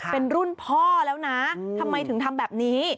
เป็นรุ่นพ่อแล้วนะทำไมถึงทำแบบนี้